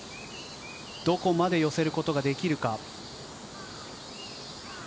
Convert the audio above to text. どこまで寄せることができるか。